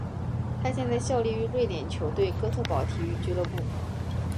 他现在效力于瑞典球队哥特堡体育俱乐部。